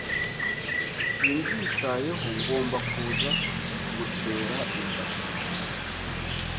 Simbyitayeho ngomba kuza mutera inda